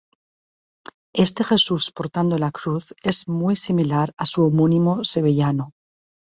Este Jesús portando la cruz es muy similar a su homónimo sevillano.